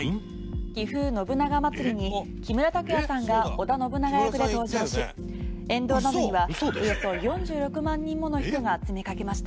ぎふ信長まつりに木村拓哉さんが織田信長役で登場し沿道などにはおよそ４６万人もの人が詰めかけました。